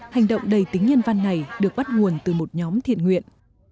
hành động đầy tính nhân văn này được bắt nguồn từ một nhóm thiện nguyện